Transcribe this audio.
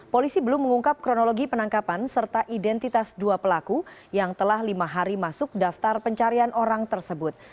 polisi belum mengungkap kronologi penangkapan serta identitas dua pelaku yang telah lima hari masuk daftar pencarian orang tersebut